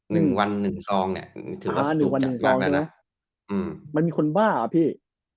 นึกวันหนึ่งซองเนี่ย